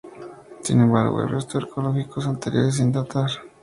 Sin embargo, hay resto arqueológicos anteriores sin datar.